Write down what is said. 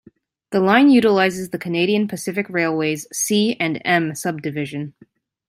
The line utilizes the Canadian Pacific Railway's C and M Subdivision.